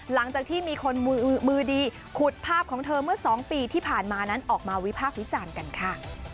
หลังจากที่มีคนมือดีขุดภาพของเธอเมื่อ๒ปีที่ผ่านมานั้นออกมาวิพากษ์วิจารณ์กันค่ะ